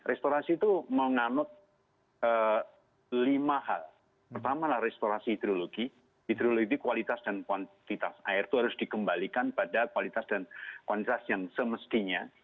restorasi itu menganut lima hal pertama restorasi hidrologi hidrologi kualitas dan kuantitas air itu harus dikembalikan pada kualitas dan kualitas yang semestinya